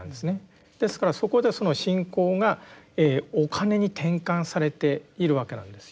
ですからそこでその信仰がお金に転換されているわけなんですよ。